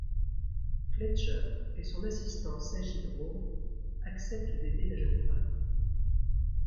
Fletcher et son assistant Sajid Rowe acceptent d'aider la jeune femme.